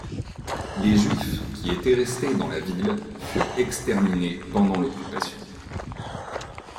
Les juifs qui étaient restés dans la ville furent exterminés pendant l'occupation.